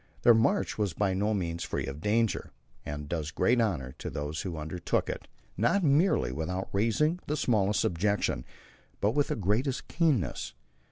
Their march was by no means free from danger, and does great honour to those who undertook it, not merely without raising the smallest objection, but with the greatest keenness.